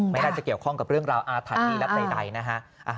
ไม่น่าจะเกี่ยวข้องกับเรื่องราวอาถรรพีรักใดนะฮะ